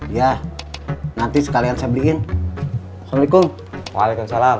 ya nanti sekalian saya beliin assalamualaikum waalaikumsalam